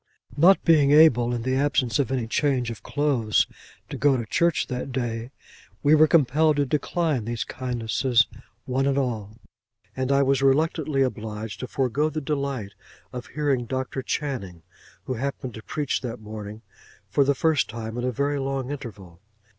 Not being able, in the absence of any change of clothes, to go to church that day, we were compelled to decline these kindnesses, one and all; and I was reluctantly obliged to forego the delight of hearing Dr. Channing, who happened to preach that morning for the first time in a very long interval.